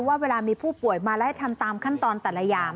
ว่าเวลามีผู้ป่วยมาแล้วให้ทำตามขั้นตอนแต่ละอย่าง